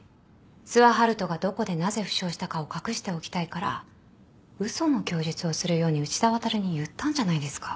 諏訪遙人がどこでなぜ負傷したかを隠しておきたいから嘘の供述をするように内田亘に言ったんじゃないですか？